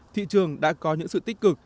thị trường đã có những sự tích cực